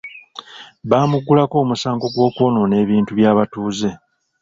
Baamuggulako omusango gw’okwonoona ebintu by’abatuuze.